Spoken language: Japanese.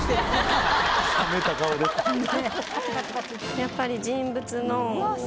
やっぱり。